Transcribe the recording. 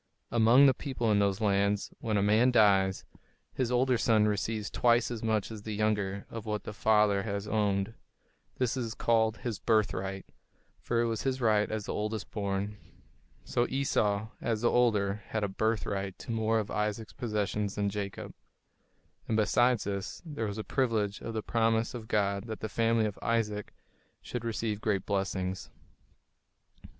Among the people in those lands, when a man dies, his older son receives twice as much as the younger of what the father has owned. This was called his "birthright," for it was his right as the oldest born. So Esau, as the older, had a "birthright" to more of Isaac's possessions than Jacob. And besides this, there was the privilege of the promise of God that the family of Isaac should receive great blessings.